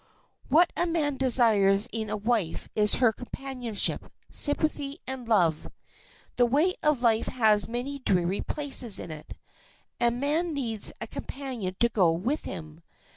What a man desires in a wife is her companionship, sympathy, and love. The way of life has many dreary places in it, and man needs a companion to go with him.